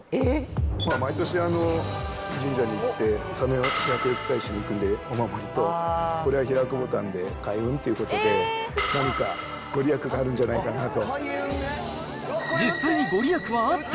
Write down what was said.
毎年神社に行って、佐野厄除け大師に行くんで、厄除けとお守りと、これは開くボタンで開運ということで、何か御利益があるんじゃないかなと。